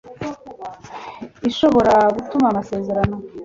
ishobora gutuma amasezerano